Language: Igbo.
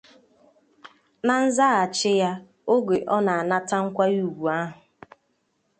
Na nzaghachi ya oge ọ na-anata nkwanyeùgwù ahụ